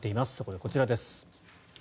そこでこちらです。